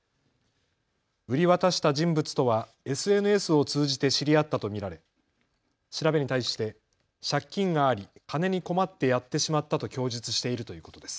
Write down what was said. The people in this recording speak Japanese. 売り渡した人物とはＳＮＳを通じて知り合ったと見られ調べに対して借金があり金に困ってやってしまったと供述しているということです。